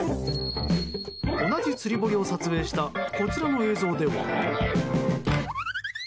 同じ釣り堀を撮影したこちらの映像では。